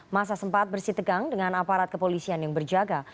masa sempat bersitegang dengan aparat kepolisian yang berjaga